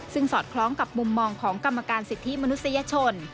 ซึ่งสอดคล้องกับมุมมองของกรรมการสิทธิมนุษยชน